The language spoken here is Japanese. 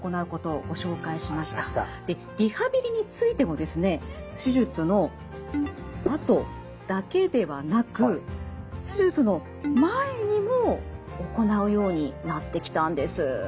リハビリについても手術のあとだけではなく手術の前にも行うようになってきたんです。